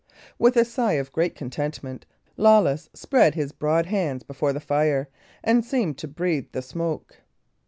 With a sigh of great contentment, Lawless spread his broad hands before the fire, and seemed to breathe the smoke.